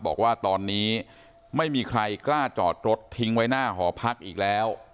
บอกว่าตอนนี้ไม่มีใครกล้าจอดรถทิ้งไว้หน้าหอพักอีกแล้ว